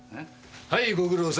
はいご苦労さん。